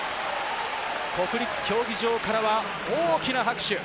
国立競技場からは大きな拍手。